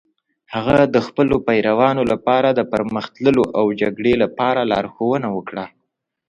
هغه د خپلو پیروانو لپاره د پرمخ تللو او جګړې لپاره لارښوونه وکړه.